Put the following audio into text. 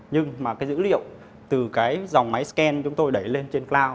nhưng mà cái dữ liệu từ cái dòng máy scan chúng tôi đẩy lên trên cloud